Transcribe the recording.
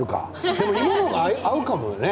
でも芋の方が合うかもね。